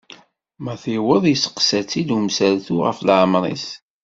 Mi tiweḍ yesteqsa-tt-id umsaltu ɣef laɛmar-is.